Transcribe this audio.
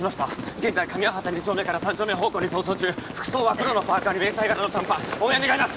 現在上八幡２丁目から３丁目方向に逃走中服装は黒のパーカーに迷彩柄の短パン応援願います！